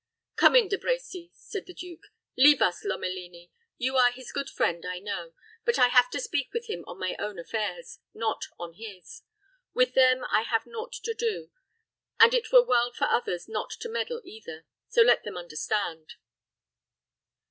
"Come in, De Brecy," said the duke. "Leave us, Lomelini. You are his good friend, I know. But I have to speak with him on my own affairs, not on his. With them I have naught to do, and it were well for others not to meddle either. So let them understand."